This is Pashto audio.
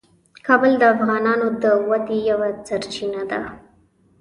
کابل د افغانانو د ودې یوه سرچینه ده.